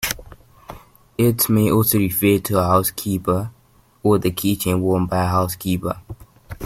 It may also refer to a housekeeper, or the keychain worn by a housekeeper.